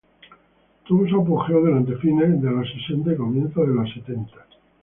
Tuvo su apogeo durante fines de los sesenta y comienzos de los setenta.